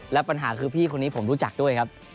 และปัญหาคือพี่คนนี้ผมรู้จักด้วยครับ